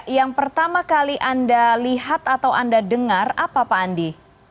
yang pertama kali anda lihat atau anda dengar apa pak andi